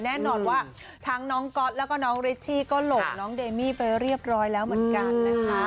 แน่นอนว่าทั้งน้องก๊อตแล้วก็น้องริชชี่ก็หลงน้องเดมี่ไปเรียบร้อยแล้วเหมือนกันนะคะ